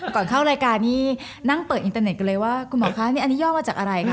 ก่อนเข้ารายการนี้นั่งเปิดอินเตอร์เน็ตกันเลยว่าคุณหมอคะนี่อันนี้ย่อมาจากอะไรคะ